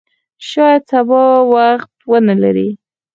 شاید سبا وخت ونه لرې !